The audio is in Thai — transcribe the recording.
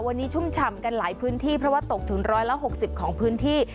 วันนี้ชุ่มฉ่ำกันหลายพื้นที่เพราะว่าตกถึง๑๖๐ของพื้นที่